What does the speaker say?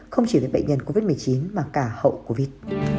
không chỉ là bệnh nhân covid một mươi chín mà cả hậu covid